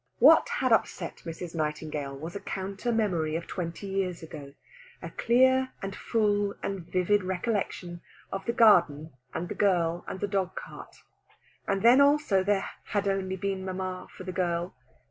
What had upset Mrs. Nightingale was a counter memory of twenty years ago, a clear and full and vivid recollection of the garden and the girl and the dog cart. And then also there "had only been mamma for the girl."